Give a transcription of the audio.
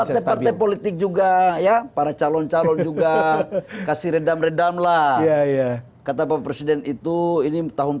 kita politik juga ya para calon calon juga kasih redam redam lah kata pak presiden itu ini tahun